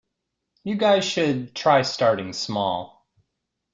You guys should try starting small.